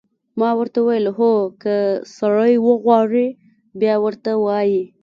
ما ورته وویل: هو، که سړی وغواړي، بیا ورته وایي.